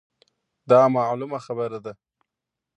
دا مـعـلومـه خـبـره ده.